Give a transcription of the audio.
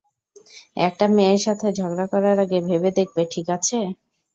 একটা মেয়ের সাথে ঝগড়া করার আগে ভেবে দেখবে, ঠিক আছে?